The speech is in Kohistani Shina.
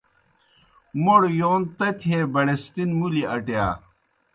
موْڑ یون تتیْ ہے بَڑِستِن ملیْ اٹِیا۔